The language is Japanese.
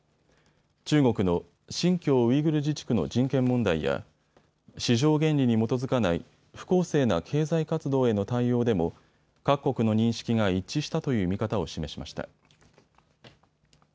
中国の新疆ウイグル自治区の人権問題や市場原理に基づかない不公正な経済活動への対応でも各国の認識が一致したという見方を示しました。